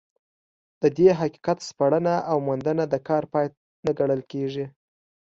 د دې حقیقت سپړنه او موندنه د کار پای نه ګڼل کېږي.